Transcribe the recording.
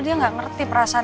dan ingin mengakuinya